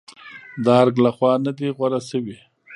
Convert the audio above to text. د ارګ لخوا نه دي غوره شوې.